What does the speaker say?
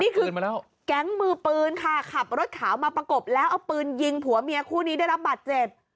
คืนมาแล้วแก๊งมือปืนค่ะขับรถขาวมาประกบแล้วเอาปืนยิงผัวเมียคู่นี้ได้รับบาดเจ็บ